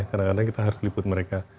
kadang kadang kita harus liput mereka